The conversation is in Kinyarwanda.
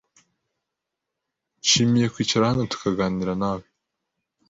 Nishimiye kwicara hano tukaganira nawe.